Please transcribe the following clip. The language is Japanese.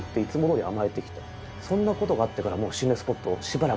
そんなことがあってからもう。